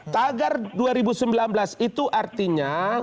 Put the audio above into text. tagar dua ribu sembilan belas itu artinya